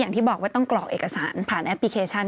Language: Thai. อย่างที่บอกว่าต้องกรอกเอกสารผ่านแอปพลิเคชัน